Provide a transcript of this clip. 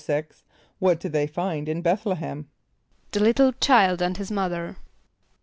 = What did they find in B[)e]th´l[)e] h[)e]m? =The little child and his mother.